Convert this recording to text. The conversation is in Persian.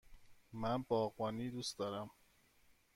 من باغبانی دوست دارم.